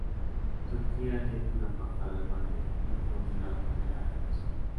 Turquía tiene una embajada en Madrid y un consulado general en Barcelona.